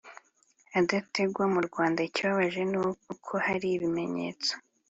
adategwa mu rwanda. ikibabaje ni uko hari ibinyetso